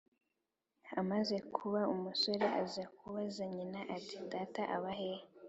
Amaze kuba umusore aza kubaza nyina ati: "Data aba hehe?"